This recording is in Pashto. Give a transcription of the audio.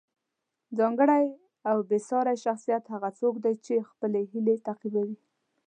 ځانګړی او بې ساری شخصیت هغه څوک دی چې خپلې هیلې تعقیبوي.